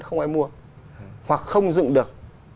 không ai mua hoặc không dựng được